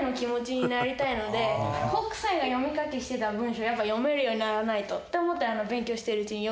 北斎が読み書きしてた文章をやっぱ読めるようにならないとって思って。